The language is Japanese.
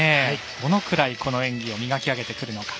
どのくらいこの演技を磨き上げてくるのか。